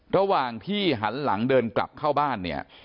ระหว่างที่หันหลังเดินกลับเข้าบ้านเนี่ย